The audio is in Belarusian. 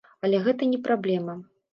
Але гэта не праблема.